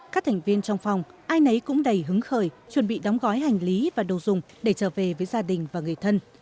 các thành viên trong phòng ai nấy cũng đầy hứng khởi chuẩn bị đóng gói hành lý và đồ dùng để trở về với gia đình và người thân